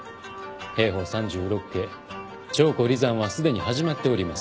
『兵法三十六計』「調虎離山」はすでに始まっております。